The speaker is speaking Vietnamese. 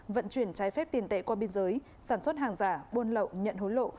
vận chuyển trái phép tiền tệ qua biên giới sản xuất hàng giả buôn lậu nhận hối lộ